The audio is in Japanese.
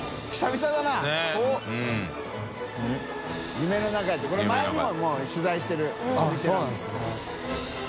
夢の中へ」ってこれ前にももう取材してるお店なんです。